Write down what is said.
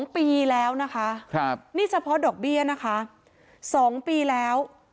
๒ปีแล้วนะคะนี่เฉพาะดอกเบี้ยนะคะ๒ปีแล้ว